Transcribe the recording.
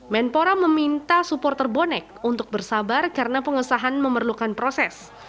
menpora meminta supporter bonek untuk bersabar karena pengesahan memerlukan proses